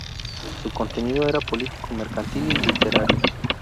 Su contenido era político, mercantil y literario.